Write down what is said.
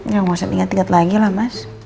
ya ga usah diinget inget lagi lah mas